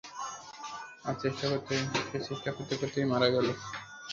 আর চেষ্টা করতে করতেই মারা গেল।